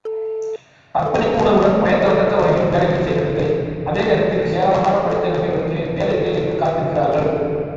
அர்ப்பணிப்பு உணர்வுடன் பயன்தரத்தக்க வகையில் வேலைகளைச் செய்வதில்லை, அதேநேரத்தில் ஏராளமான படித்த இளைஞர்களுக்கு வேலையில்லை என்று காத்திருக்கிறார்கள்!